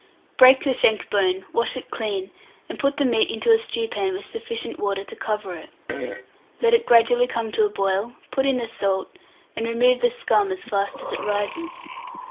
Break the shank bone, wash it clean, and put the meat into a stewpan with sufficient water to cover it. Let it gradually come to a boil, put in the salt, and remove the scum as fast as it rises.